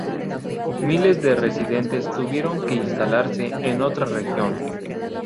Miles de residentes tuvieron que instalarse en otra región.